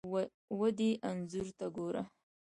ودې انځور ته ګوره!